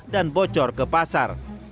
dan bocor ke pasar